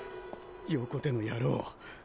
横手のやろう。